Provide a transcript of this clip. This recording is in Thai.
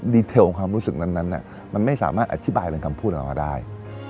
เทลของความรู้สึกนั้นมันไม่สามารถอธิบายเป็นคำพูดออกมาได้